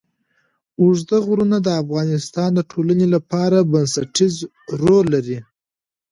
اوږده غرونه د افغانستان د ټولنې لپاره بنسټيز رول لري.